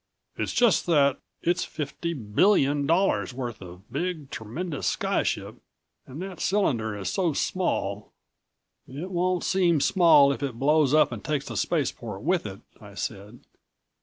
It's just that it's fifty billion dollars worth of big, tremendous sky ship and that cylinder is so small " "It won't seem small if it blows up and takes the spaceport with it," I said.